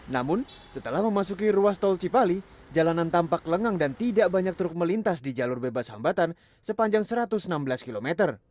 namun setelah memasuki ruas tol cipali jalanan tampak lengang dan tidak banyak truk melintas di jalur bebas hambatan sepanjang satu ratus enam belas km